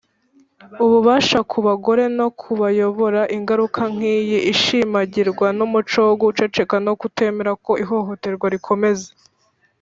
ububasha ku bagore no kubayobora Ingaruka nk iyi ishimangirwa n umuco wo guceceka no kutemera ko ihohoterwa rikomeza